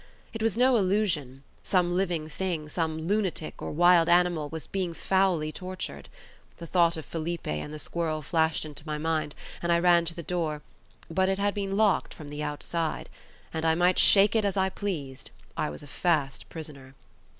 It was no illusion; some living thing, some lunatic or some wild animal, was being foully tortured. The thought of Felipe and the squirrel flashed into my mind, and I ran to the door, but it had been locked from the outside; and I might shake it as I pleased, I was a fast prisoner.